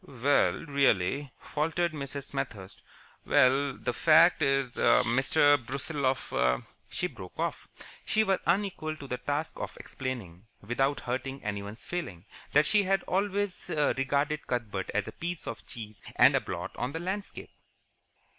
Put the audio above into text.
"Well, really," faltered Mrs. Smethurst. "Well, the fact is, Mr. Brusiloff " She broke off. She was unequal to the task of explaining, without hurting anyone's feelings, that she had always regarded Cuthbert as a piece of cheese and a blot on the landscape.